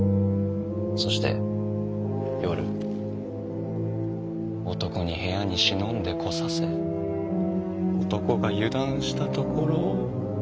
そして夜男に部屋に忍んでこさせ男が油断したところを。